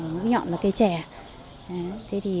mũ nhọn là cây trè